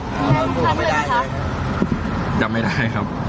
แล้วคุณก็ไม่ได้เหรอคะจำไม่ได้ครับ